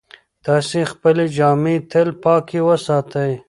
تاسې خپلې جامې تل پاکې وساتئ.